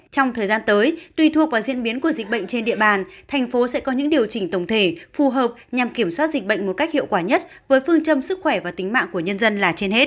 trong thời gian tới tùy thuộc vào diễn biến của dịch bệnh trên địa bàn thành phố sẽ có những điều chỉnh tổng thể phù hợp nhằm kiểm soát dịch bệnh một cách hiệu quả nhất với phương châm sức khỏe và tính mạng của nhân dân là trên hết